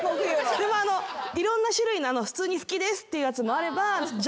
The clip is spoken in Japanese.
でもいろんな種類の普通に好きですっていうやつもあれば。